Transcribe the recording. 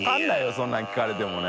そんなの聞かれてもね。